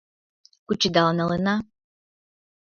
Кучедал налына.